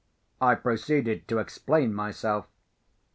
I proceeded to explain myself.